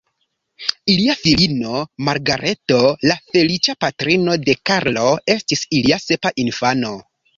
Ilia filino Margareto, la feliĉa patrino de Karlo, estis ilia sepa infano.